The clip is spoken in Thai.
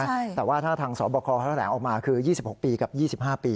แต่ว่าถ้าทางสอบคอเขาแถลงออกมาคือ๒๖ปีกับ๒๕ปี